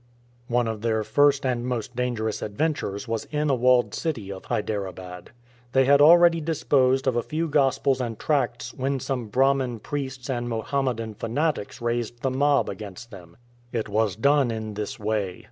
One of their first and most dangerous adventures was in a walled city of Hyderabad. They had already disposed of a few Gospels and tracts when some Brahman priests and Mohammedan fanatics raised the mob against them. It was done in this way.